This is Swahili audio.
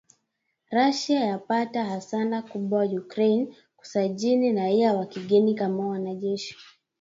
Russia yapata hasara kubwa Ukraine kusajili raia wa kigeni kama wanajeshi